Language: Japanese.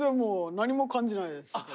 何も感じないですけど。